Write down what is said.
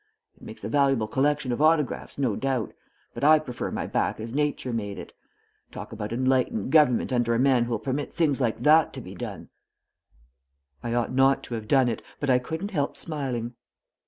It makes a valuable collection of autographs, no doubt, but I prefer my back as nature made it. Talk about enlightened government under a man who'll permit things like that to be done!" I ought not to have done it, but I couldn't help smiling.